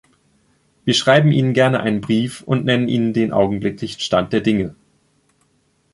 Wir schreiben Ihnen gerne einen Brief und nennen Ihnen den augenblicklichen Stand der Dinge.